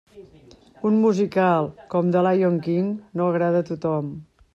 Un musical com The Lyon King no agrada a tothom.